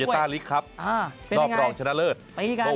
รอบทรองชนะเลิศเป็นอย่างไรไปที่กัน